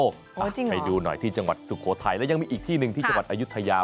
เอาจริงไปดูหน่อยที่จังหวัดสุโขทัยแล้วยังมีอีกที่หนึ่งที่จังหวัดอายุทยา